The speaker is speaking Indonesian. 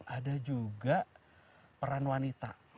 ada juga peran wanita